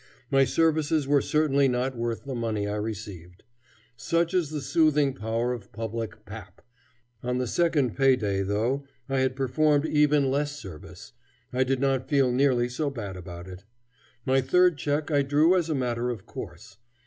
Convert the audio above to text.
My services were certainly not worth the money I received. Such is the soothing power of public "pap": on the second pay day, though I had performed even less service, I did not feel nearly so bad about it. My third check I drew as a matter of course.